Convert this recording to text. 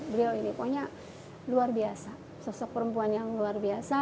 beliau ini pokoknya luar biasa sosok perempuan yang luar biasa